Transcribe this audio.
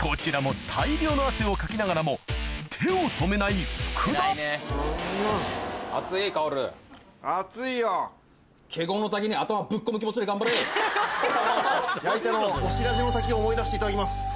こちらも大量の汗をかきながらも手を止めない福田矢板のおしらじの滝を思い出していただきます。